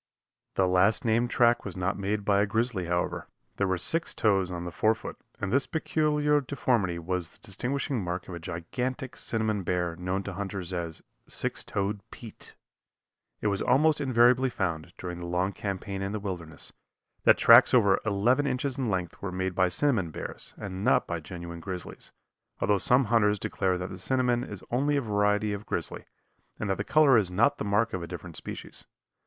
The last named track was not made by a grizzly however. There were six toes on the forefoot, and this peculiar deformity was the distinguishing mark of a gigantic cinnamon bear known to hunters as "Six Toed Pete." It was almost invariably found, during the long campaign in the wilderness, that tracks over eleven inches in length were made by cinnamon bears, and not by genuine grizzlies, although some hunters declare that the cinnamon is only a variety of grizzly, and that the color is not the mark of a different species.